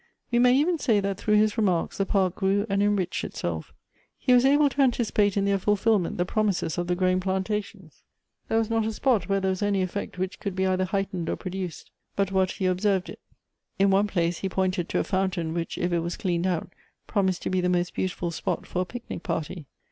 We may even say that through his remarks the park grew and enriched itself; he was able to anticipate in their fulfilment the promises of the growing plantations. There was not a spot where there was any effect which could be either heightened or produced, but what he observed it. In one place he pointed to a fountain which, if it was cleaned out, promised to be the most beautiful spot for a picnic party.